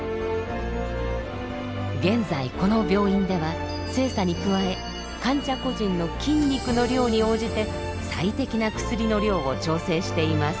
現在この病院では性差に加え患者個人の筋肉の量に応じて最適な薬の量を調整しています。